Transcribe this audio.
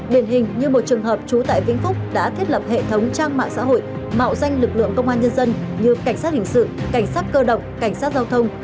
đền hình như một trường hợp trú tại vĩnh phúc đã thiết lập hệ thống trang mạng xã hội mạo danh lực lượng công an nhân dân như cảnh sát hình sự cảnh sát cơ động cảnh sát giao thông